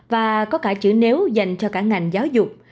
và có cả chữ nếu dành cho cả ngành giáo dục